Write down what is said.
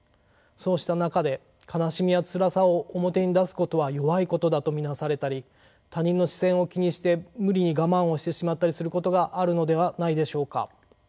そうした中で悲しみやつらさを表に出すことは弱いことだと見なされたり他人の視線を気にして無理に我慢をしてしまったりすることがあるのではないでしょうか。